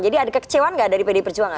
jadi ada kekecewaan gak dari pdi perjuangan